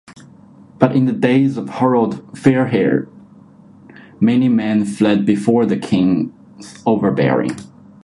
But in the days of Harold Fairhair many men fled before the king's overbearing.